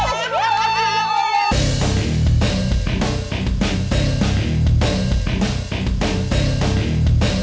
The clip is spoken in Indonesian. reva masih lanjut pertaniannya